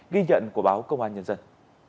ghi nhận của báo công an nhân dân